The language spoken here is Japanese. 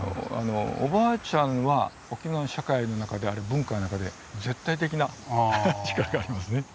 おばあちゃんは沖縄の社会の中で文化の中で絶対的な力がありますね。